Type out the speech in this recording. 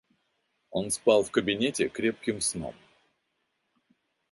Он спал в кабинете крепким сном.